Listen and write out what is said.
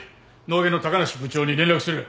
脳外の高梨部長に連絡する。